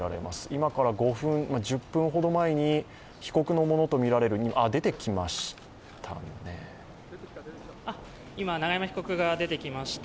今から１０分ほど前に、被告のものとみられる今、永山被告が出てきました。